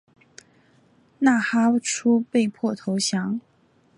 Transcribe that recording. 纳哈出被迫投降。